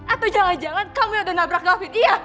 atau jangan jangan kamu yang udah nabrak gavind iya